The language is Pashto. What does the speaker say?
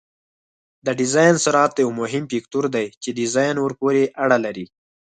د ډیزاین سرعت یو مهم فکتور دی چې ډیزاین ورپورې اړه لري